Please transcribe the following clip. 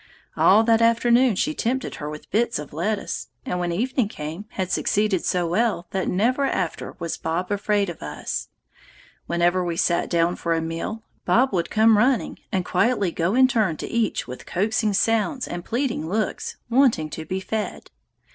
All that afternoon she tempted her with bits of lettuce, and when evening came, had succeeded so well that never after was Bob afraid of us. Whenever we sat down for a meal, Bob would come running and quietly go in turn to each with coaxing sounds and pleading looks, wanting to be fed.